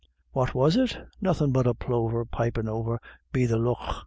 " What was it ? Nothin' hut a plover pipin* away over be the lough.